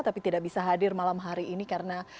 tapi tidak bisa hadir malam hari ini karena